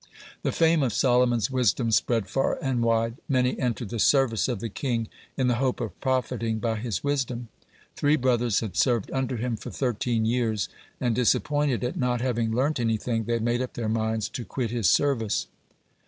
(32) The fame of Solomon's wisdom spread far and wide. Many entered the service of the king, in the hope of profiting by his wisdom. Three brothers had served under him for thirteen years, and, disappointed at not having learnt anything, they made up their minds to quit his service.